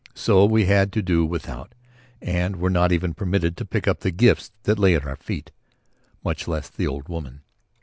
So we had to do without and were not even permitted to pick up the gifts that lay at our feet, much less the old woman.